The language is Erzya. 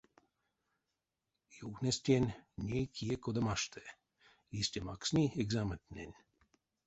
Евтнесть тень: ней кие кода машты — истя максни экзаментнэнь.